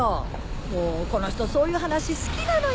もうこの人そういう話好きなのよ。